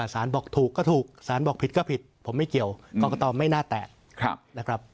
สารบอกถูกก็ถูกสารบอกผิดก็ผิดผมไม่เกี่ยวกรกตไม่น่าแตะนะครับ